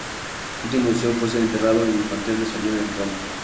Su último deseo fue ser enterrado en el panteón español en Roma.